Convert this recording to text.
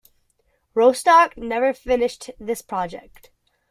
Rostock never finished this project.